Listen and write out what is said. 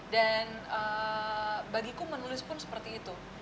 dan bagiku menulis pun seperti itu